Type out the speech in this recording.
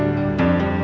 ate bisa menikah